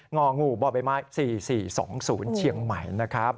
งงบม๔๔๒๐เชียงใหม่